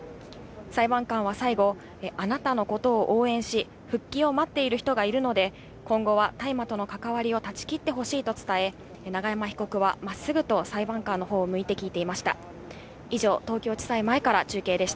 裁判官は最後、あなたのことを応援し、復帰を待っている人がいるので、今後は大麻との関わりを断ち切ってほしいと伝え、永山被告はまっすぐと裁判官のほうを向いて聞いていました。